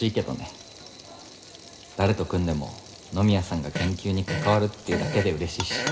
誰と組んでも野宮さんが研究に関わるっていうだけでうれしいし。